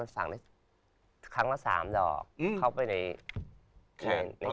มันฝังได้ครั้งละสามแล้วเข้าไปในในแคท